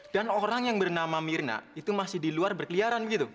dan orang yang bernama mirna itu masih di luar berkeliaran begitu